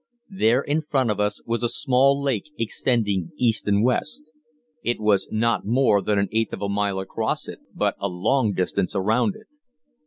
There in front of us was a small lake extending east and west. It was not more than an eighth of a mile across it, but a long distance around it.